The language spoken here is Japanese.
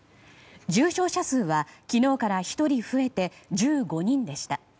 重症者数は昨日から１人増えて１５人でした。